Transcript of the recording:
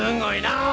あ！